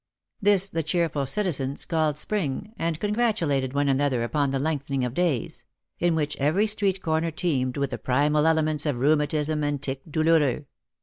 This the cheerful citizens called spring, and con gratulated one another upon the lengthening of days ; in which , every street corner teemed with the primal elements of rheu matism and tic douloureux.